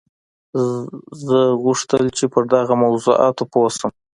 زه غوښتل چې پر دغو موضوعاتو پوه شم